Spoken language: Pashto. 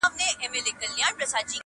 دا زړه کیسه راپاته له پلرو ده.!